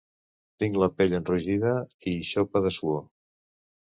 Tinc la pell enrogida i xopa de suor.